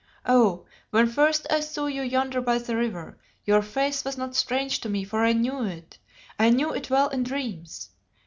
Oh! when first I saw you yonder by the river, your face was not strange to me, for I knew it I knew it well in dreams.